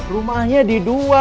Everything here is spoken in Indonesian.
rumahnya di dua